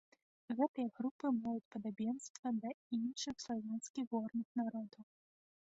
Гэтыя групы маюць падабенства да іншых славянскіх горных народаў.